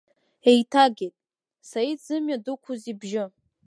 Еиҭагеит, Саид зымҩа дықәыз ибжьы.